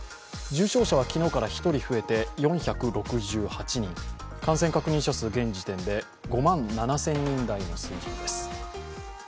重症者は昨日から１人増えて４６８人、感染確認者、数現時点で５万７０００人台の水準です。